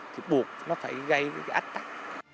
thì buộc nó phải gây ách tắc